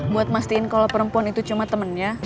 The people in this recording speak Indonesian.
buat mastiin kalau perempuan itu cuma temennya